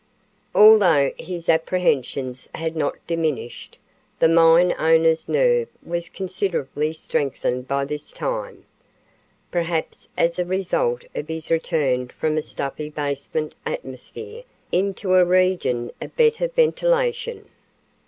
Although his apprehensions had not diminished, the mine owner's nerve was considerably strengthened by this time, perhaps as a result of his return from a stuffy basement atmosphere into a region of better ventilation.